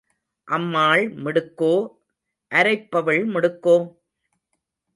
அம்மாள் மிடுக்கோ, அரைப்பவள் மிடுக்கோ?